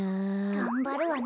がんばるわね。